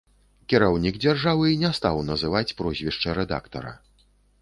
Кіраўнік дзяржавы не стаў называць прозвішча рэдактара.